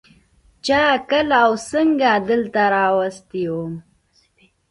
چا کله او څنگه دلته راوستى وم.